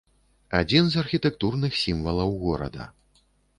Адзін з архітэктурных сімвалаў горада.